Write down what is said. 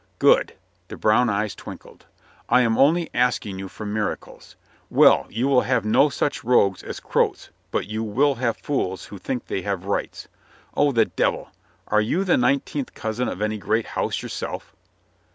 "Good." The brown eyes twinkled. "I am only asking you for miracles. Well, you will have no such rogues as Croats, but you will have fools who think they have rights. Oh, the devil ! Are you the nineteenth cousin of any great house, yourself?"